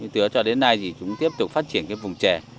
từ đó cho đến nay thì chúng tiếp tục phát triển cái vùng trẻ